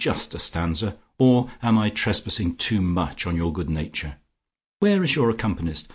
Just a stanza? Or am I trespassing too much on your good nature? Where is your accompanist?